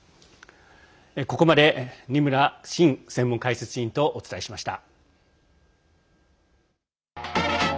ここまで二村伸専門解説委員とお伝えしました。